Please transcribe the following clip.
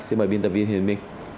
xin mời biên tập viên hiền minh